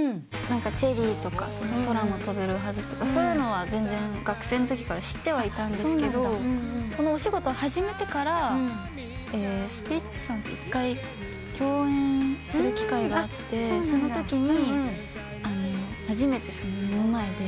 『チェリー』とか『空も飛べるはず』とかそういうのは学生のときから知ってはいたんですけどこのお仕事を始めてからスピッツさんと１回共演する機会があってそのときに初めて目の前で聴いて。